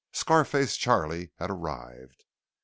Scar face Charley had arrived.